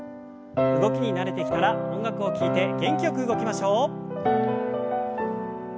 動きに慣れてきたら音楽を聞いて元気よく動きましょう。